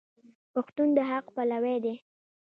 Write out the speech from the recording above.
پښتون د حق پلوی دی.